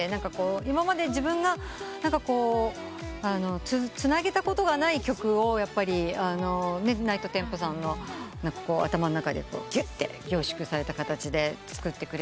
今まで自分がつなげたことがない曲をやっぱりＮｉｇｈｔＴｅｍｐｏさんの頭の中でぎゅって凝縮された形で作ってくれたので。